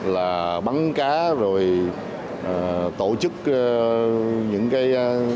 là bắn cá rồi tổ chức những cái